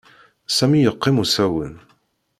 Sami yeqqim usawen.